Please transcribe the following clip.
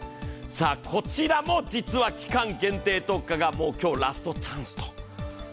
こちらも期間限定特価がもう今日ラストチャンスと。